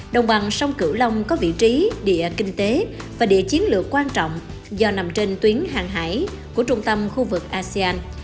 đồng bằng sông cửu long có vị trí địa kinh tế và địa chiến lược quan trọng do nằm trên tuyến hàng hải của trung tâm khu vực asean